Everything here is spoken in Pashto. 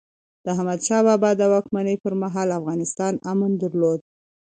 د احمد شاه بابا د واکمنۍ پرمهال، افغانستان امن درلود.